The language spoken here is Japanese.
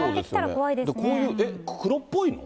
こういう黒っぽいの？